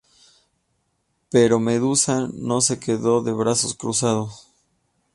Pero Medusa no se quedó de brazos cruzados.